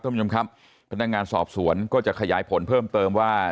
ท่านผู้ชมครับพนักงานสอบสวนก็จะขยายผลเพิ่มเติมว่า